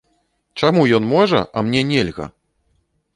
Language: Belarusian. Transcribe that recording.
Чаму ён можа, а мне нельга?